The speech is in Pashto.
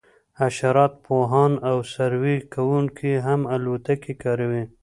حشرات پوهان او سروې کوونکي هم الوتکې کاروي